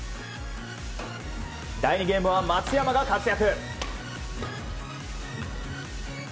第２ゲームは松山が活躍。